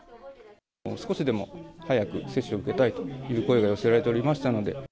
少しでも早く接種を受けたいという声が寄せられておりましたので。